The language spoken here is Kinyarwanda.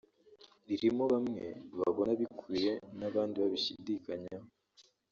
ririmo bamwe babona abikwiye n’abandi babishidikanyaho